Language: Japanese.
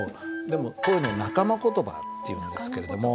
でもこういうのを仲間言葉っていうんですけれども。